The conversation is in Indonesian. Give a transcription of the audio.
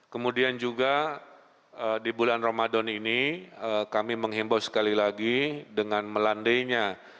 kemudian juga di bulan ramadan ini kami menghimbau sekali lagi dengan melandainya